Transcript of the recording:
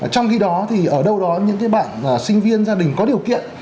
trong khi đó thì ở đâu đó những bạn sinh viên gia đình có điều kiện